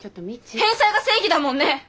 返済が正義だもんね！